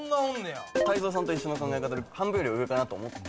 泰造さんと一緒の考え方で半分より上かなと思って。